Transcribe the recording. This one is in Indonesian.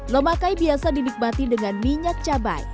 lomakai biasa dinikmati dengan minyak cabai